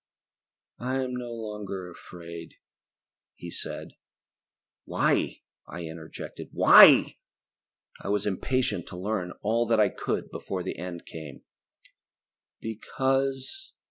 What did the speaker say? "I am no longer afraid," he said. "Why?" I interjected. "Why?" I was impatient to learn all that I could before the end came. "Because